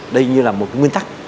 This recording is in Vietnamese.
đây như là một cái nguyên tắc